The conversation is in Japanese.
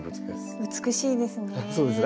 美しいですね。